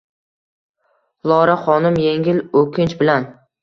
Lora xonim yengil oʻkinch bilan